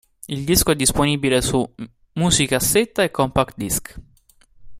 Il disco è disponibile su musicassetta e compact disc.